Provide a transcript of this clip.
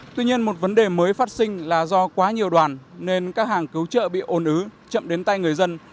tuy nhiên một vấn đề mới phát sinh là do quá nhiều đoàn nên các hàng cứu trợ bị ồn ứ chậm đến tay người dân